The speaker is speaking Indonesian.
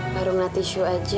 barung nah tisu aja aku nganggur